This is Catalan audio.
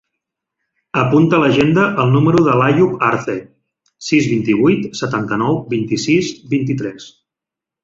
Apunta a l'agenda el número de l'Àyoub Arce: sis, vint-i-vuit, setanta-nou, vint-i-sis, vint-i-tres.